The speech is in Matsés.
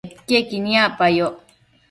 bedquiequi niacpayoc